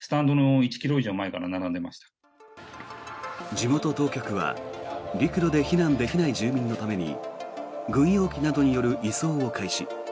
地元当局は陸路で避難できない住民のために軍用機などによる移送を開始。